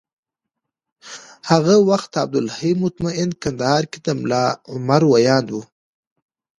هغه وخت عبدالحی مطمین کندهار کي د ملا عمر ویاند و